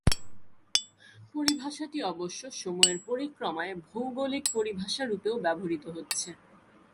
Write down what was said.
পরিভাষাটি অবশ্য সময়ের পরিক্রমায় ভৌগোলিক পরিভাষা রূপেও ব্যবহৃত হচ্ছে।